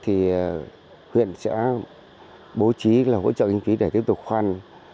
thì huyện sẽ bố trí là hỗ trợ kinh phí để tiếp tục khoan